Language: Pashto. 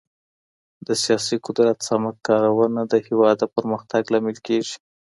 د سياسي قدرت سمه کارونه د هېواد د پرمختګ لامل کېږي.